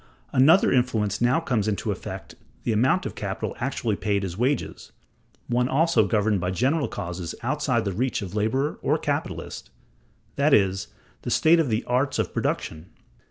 Another influence now comes in to affect the amount of capital actually paid as wages, one also governed by general causes outside the reach of laborer or capitalist, that is, the state of the arts of production.